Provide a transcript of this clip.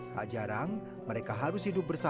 tak jarang mereka harus hidup di rumah